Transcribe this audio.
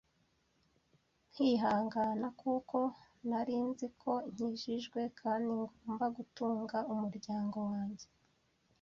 nkihangana kuko nari nzi ko nkijijwe kandi ngomba gutunga umuryango wanjye.